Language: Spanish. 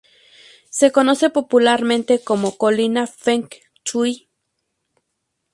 Se conoce popularmente como Colina Feng Shui.